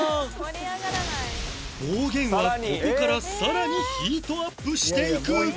暴言はここから更にヒートアップしていく